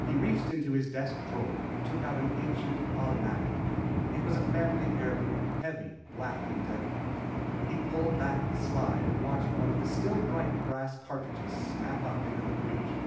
He reached into his desk drawer and took out an ancient automatic. It was a family heirloom, heavy, black and deadly. He pulled back the slide and watched one of the still bright brass cartridges snap up into the breech.